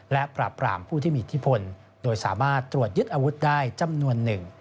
และปราบรามผู้ที่มีอิทธิพลโดยสามารถตรวจยึดอาวุธได้จำนวนหนึ่ง